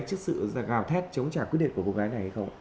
trước sự gào thét chống trả quyết liệt của cô gái này hay không